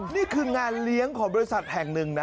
นี่คืองานเลี้ยงของบริษัทแห่งหนึ่งนะ